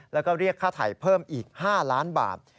แล้วก็เรียกค่าไถ่เพิ่มอีก๕ล้านบาท